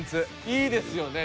いいですよね。